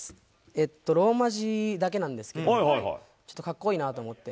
ローマ字だけなんですけど、ちょっとかっこいいなと思って。